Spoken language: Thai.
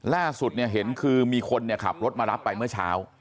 ล่าสุดเห็นคือมีคนขับรถมารับไปเมื่อเช้า